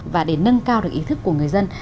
và để nâng cao được ý thức của người dân